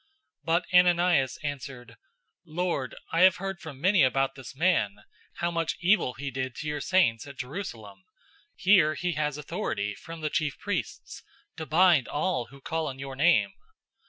009:013 But Ananias answered, "Lord, I have heard from many about this man, how much evil he did to your saints at Jerusalem. 009:014 Here he has authority from the chief priests to bind all who call on your name."